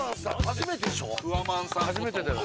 初めてだよね